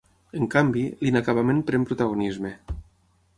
En canvi, l'inacabament pren protagonisme.